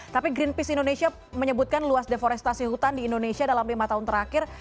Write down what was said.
tapi greenpeace indonesia menyebutkan luas deforestasi hutan di indonesia dalam lima tahun terakhir